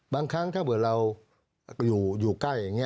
บางครั้งถ้าเผื่อเราอยู่ใกล้อย่างนี้